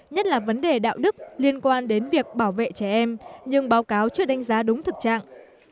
nhất là vấn đề đạo đức liên quan đến việc bảo vệ trẻ em nhưng báo cáo chưa đánh giá đúng thực trạng